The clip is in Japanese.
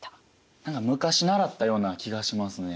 何か昔習ったような気がしますね。